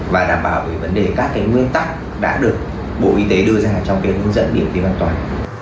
và đảm bảo về vấn đề các cái nguyên tắc đã được bộ y tế đưa ra trong cái hướng dẫn điểm tiêm an toàn